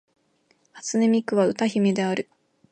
初音ミクは歌姫である